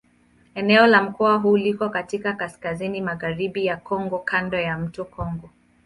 Eneo la mkoa huu liko katika kaskazini-magharibi ya Kongo kando ya mto Kongo.